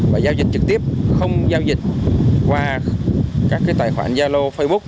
và giao dịch trực tiếp không giao dịch qua các tài khoản gia lô facebook